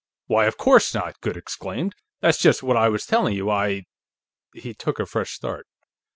"Why, of course not!" Goode exclaimed. "That's just what I was telling you. I " He took a fresh start.